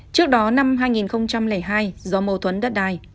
trước đó năm hai nghìn hai do mâu thuẫn đất đai